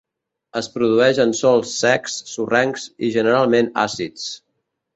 Es produeix en sòls secs, sorrencs i generalment àcids.